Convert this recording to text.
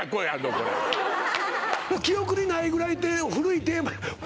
これ記憶にないぐらい古いテーマ